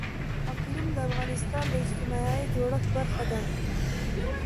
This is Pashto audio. اقلیم د افغانستان د اجتماعي جوړښت برخه ده.